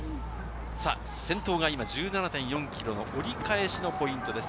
先頭が今１７．４ｋｍの折り返しのポイントです。